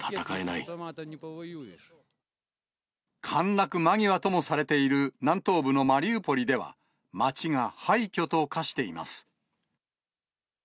陥落間際ともされている南東部のマリウポリでは、街が廃虚と化しています。